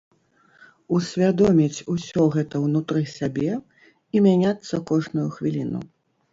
Усвядоміць усё гэта унутры сябе і мяняцца кожную хвіліну.